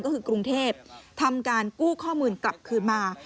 ก็คือกรุงเทพทำการกู้ข้อมูลกลับคืนมา